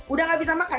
udah nggak bisa makan